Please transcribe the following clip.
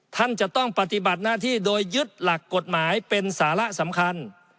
ท่านจะต้องปฏิบัติหน้าที่โดยยึดหลักกฎหมายเป็นสาระสำคัญ